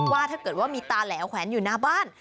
ว่าถ้าเกิดว่ามีตาแหลวแขวนอยู่หน้าบ้าน